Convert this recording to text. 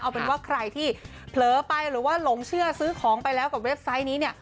เอาเป็นว่าใครที่เผลอไปหรือว่าหลงเชื่อซื้อของไปแล้วกับเว็บไซต์นี้เนี่ย